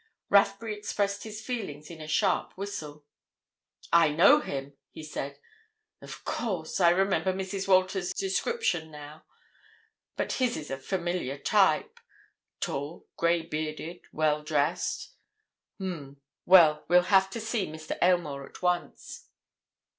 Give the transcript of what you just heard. Rathbury expressed his feelings in a sharp whistle. "I know him!" he said. "Of course—I remember Mrs. Walters's description now. But his is a familiar type—tall, grey bearded, well dressed. Um!—well, we'll have to see Mr. Aylmore at once."